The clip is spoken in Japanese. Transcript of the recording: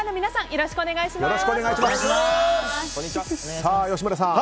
よろしくお願いします。